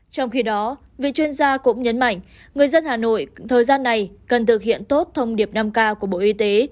trong khi đó vị chuyên gia cũng nhấn mạnh người dân hà nội thời gian này cần thực hiện tốt thông điệp năm k của bộ y tế